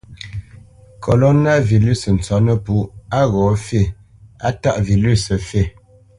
Kolona vilʉsǝ tsópnǝpú á ghǒ fí, á taʼ vilʉsǝ fǐ.